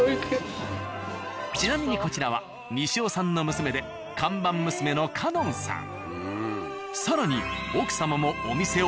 ちなみにこちらは西尾さんの娘で看板娘の夏音さん。